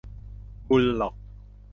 บุลล็อก